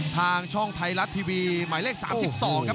ทางช่องไทยรัฐทีวีหมายเลข๓๒ครับ